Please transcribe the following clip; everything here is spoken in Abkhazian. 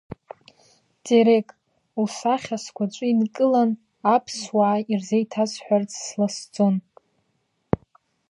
Терек, усахьа сгәаҿы инкылан, аԥсуаа ирзеиҭасҳәарц сласӡон!